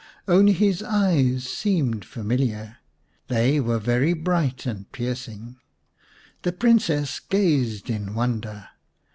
Only his eyes seemed familiar ; they were very bright and piercing. The Princess gazed in wonder.